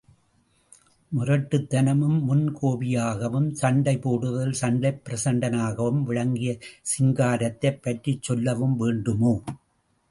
முரட்டுத்தனமும், முன் கோபியாகவும், சண்டைப் போடுவதில் சண்டைப் பிரசண்டனாகவும் விளங்கிய சிங்காரத்தைப் பற்றிச் சொல்லவும் வேண்டுமோ!